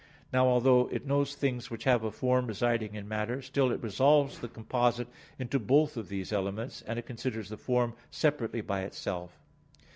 Now although it knows things which have a form residing in matter, still it resolves the composite into both of these elements; and it considers the form separately by itself.